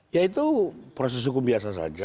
ya itu proses hukum biasa saja